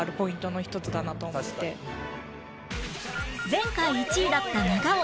前回１位だった長尾